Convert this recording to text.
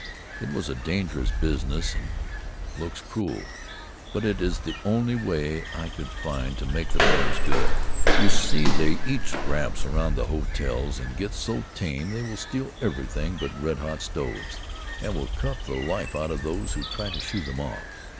It was a dangerous business, and looks cruel, but it is the only way I could find to make the bears good. You see, they eat scraps around the hotels and get so tame they will steal everything but red hot stoves, and will cuff the life out of those who try to shoo them off.